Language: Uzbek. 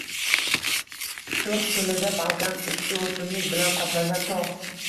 Turk tilida balkan – usti o‘simlik bilan qoplangan tog‘.